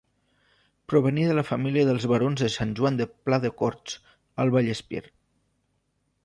Provenia de la família dels barons de Sant Joan de Pladecorts, al Vallespir.